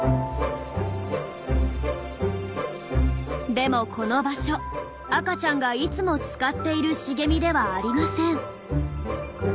でもこの場所赤ちゃんがいつも使っている茂みではありません。